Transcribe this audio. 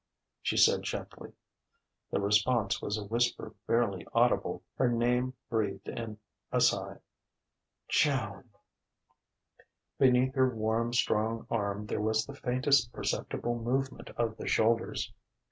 she said gently. The response was a whisper barely audible, her name breathed in a sigh: "Joan...." Beneath her warm, strong arm there was the faintest perceptible movement of the shoulders.